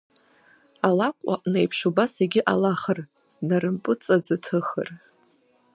Алакә аҟнеиԥш, убас егьыҟалахыр днарымпыҵаӡыҭыхыр!